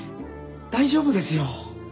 大丈夫ですよ。